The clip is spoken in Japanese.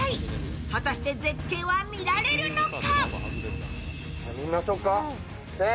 果たして絶景は見られるのか？